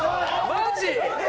マジ！？